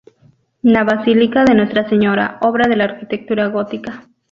La basílica de Nuestra Señora, obra de la arquitectura gótica.